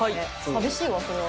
寂しいわそれは。